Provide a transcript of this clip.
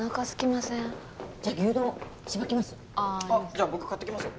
じゃあ僕買ってきますよ。